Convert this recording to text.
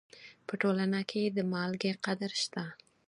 په ټولنه کې د مالګې قدر شته.